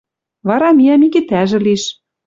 Вара миӓ Микитӓжӹ лиш